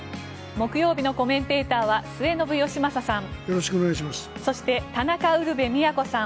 木曜日のコメンテーターは末延吉正さん。